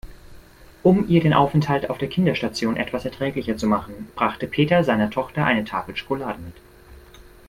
Um ihr den Aufenthalt auf der Kinderstation etwas erträglicher zu machen, brachte Peter seiner Tochter eine Tafel Schokolade mit.